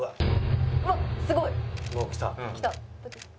うわっすごい！きた！